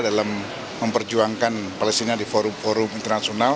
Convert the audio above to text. dalam memperjuangkan palestina di forum forum internasional